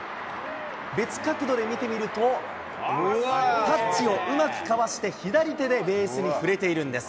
別角度で見てみると、タッチをうまくかわして左手でベースに触れているんです。